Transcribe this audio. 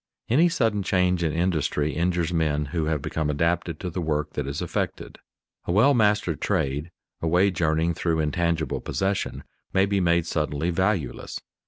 _ Any sudden change in industry injures men who have become adapted to the work that is affected. A well mastered trade, a wage earning though intangible possession, may be made suddenly valueless.